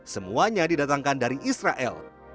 semuanya didatangkan dari israel